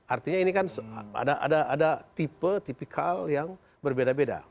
artinya ini kan ada tipe tipikal yang berbeda beda